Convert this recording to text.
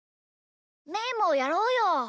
みーもやろうよ。